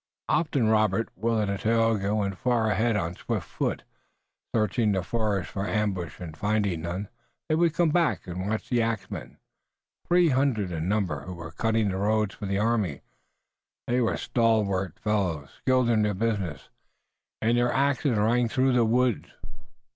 Often Robert, Willet and Tayoga went far ahead on swift foot, searching the forest for ambush, and finding none, they would come back and watch the axmen, three hundred in number, who were cutting the road for the army. They were stalwart fellows, skilled in their business, and their axes rang through the woods.